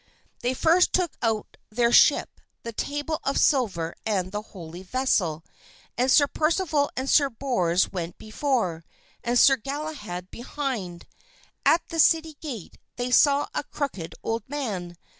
They first took out of their ship the table of silver and the holy vessel, and Sir Percival and Sir Bors went before, and Sir Galahad behind. At the city gate they saw a crooked old man.